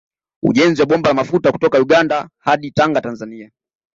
Ujenzi wa bomba la mafuta kutoka Uganda hadi Tanga Tanzania